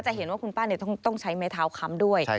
จะเห็นว่าคุณป้าต้องใช้ไม้เท้าค้ำด้วย